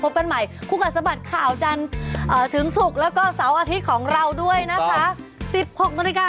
กันใหม่คู่กัดสะบัดข่าวจันทร์ถึงศุกร์แล้วก็เสาร์อาทิตย์ของเราด้วยนะคะ๑๖นาฬิกา